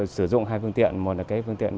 sử dụng hai phương tiện một là phương tiện